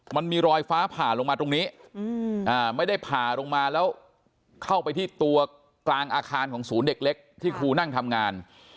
มันมีรอยฟ้าผ่าลงมาตรงนี้ไม่ได้ผ่าลงมาแล้วเข้าไปที่ตัวกลางอาคารของศูนย์เด็กเล็กที่ครูนั่งทำงาน